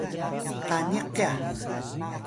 kaniq kya